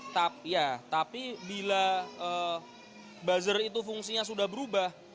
tapi ya tapi bila buzzer itu fungsinya sudah berubah